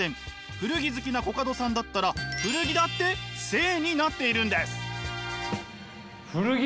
古着好きなコカドさんだったら古着だって聖になっているんです。